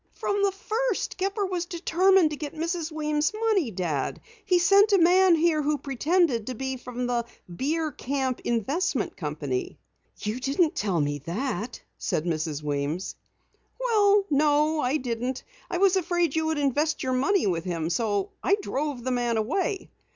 "From the first Gepper was determined to get Mrs. Weems' money, Dad. He sent a man here who pretended to be from the Bierkamp Investment Company." "You didn't tell me that," said Mrs. Weems. "Well, no I didn't. I was afraid you would invest your money with him, so I drove the man away.